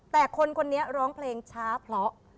แต่คนคนนี้ร้องเพลงช้าเพราะ